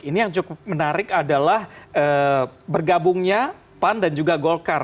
ini yang cukup menarik adalah bergabungnya pan dan juga golkar